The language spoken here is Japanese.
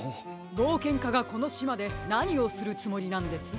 ぼうけんかがこのしまでなにをするつもりなんです？